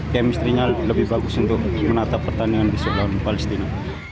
kemestrinya lebih bagus untuk menata pertandingan di surabaya